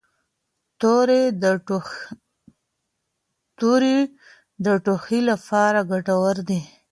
توري د ټوخي لپاره ګټور دي.